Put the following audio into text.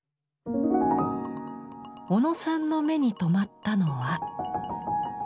小野さんの目に留まったのは。